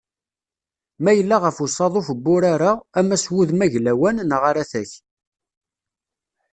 Ma yella ɣef uṣaḍuf n wurar-a, ama s wudem aglawan, neɣ aratak.